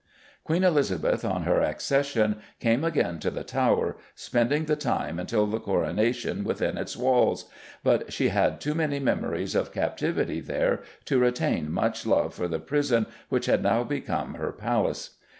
Queen Elizabeth, on her accession, came again to the Tower, spending the time until the coronation within its walls, but she had too many memories of captivity there to retain much love for the prison which had now become her palace.